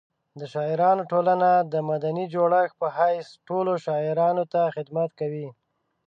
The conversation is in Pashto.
د شاعرانو ټولنه د مدني جوړښت په حیث ټولو شاعرانو ته خدمت کوي.